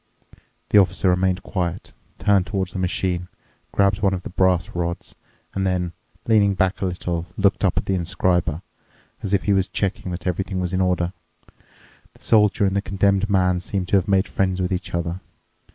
The Officer remained quiet, turned toward the machine, grabbed one of the brass rods, and then, leaning back a little, looked up at the inscriber, as if he was checking that everything was in order. The Soldier and the Condemned Man seemed to have made friends with each other.